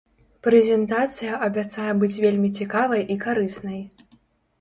Прэзентацыя абяцае быць вельмі цікавай і карыснай.